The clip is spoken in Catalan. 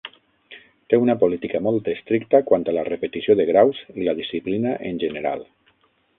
Té una política molt estricta quant a la repetició de graus i la disciplina en general.